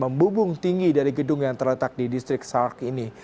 membubung tinggi dari gedung yang terletak di distrik salak ini